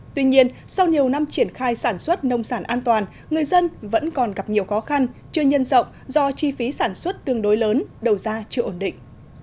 tuy nhiên sau nhiều năm triển khai sản xuất nông sản an toàn người dân vẫn còn gặp nhiều khó khăn chưa nhân rộng do chi phí sản xuất tương đối lớn đầu ra chưa ổn định